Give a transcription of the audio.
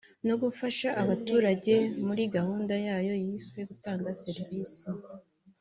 no gufasha abaturage muri gahunda yayo yiswe “Gutanga serIvisi”